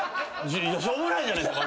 しょうもないじゃないですか。